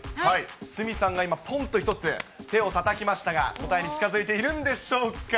鷲見さんが今、ぽんっと一つ、手をたたきましたが、答えに近づいているんでしょうか。